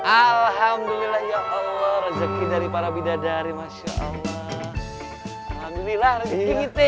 alhamdulillah ya allah rezeki dari para bidadari masya allah alhamdulillah rezeki